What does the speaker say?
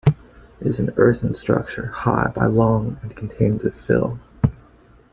It is an earthen structure, high by long and contains of fill.